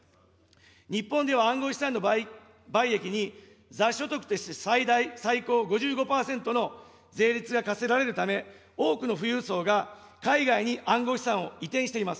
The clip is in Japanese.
日本では暗号資産の売益に雑所得として最高で最大、最高５５％の税率が課せられるため、多くの富裕層が海外に暗号資産を移転しています。